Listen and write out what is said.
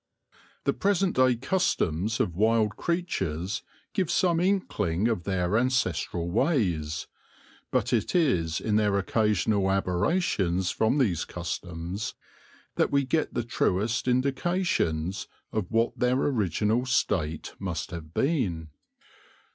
The present day customs of wild creatures give some inkling of their ancestral ways, but it is in their occasional aberrations from these customs that we get the truest indications of what their original state must have been.